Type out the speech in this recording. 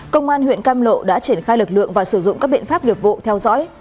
công an huyện cam lộ đã triển khai lực lượng và sử dụng các biện pháp nghiệp vụ theo dõi